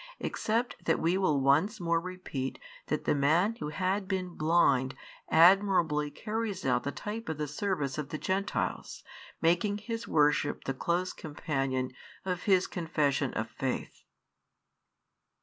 Except that we will once more repeat that the man who had been blind admirably carries out the type of the service of the Gentiles, making his worship the close companion of his confession of faith.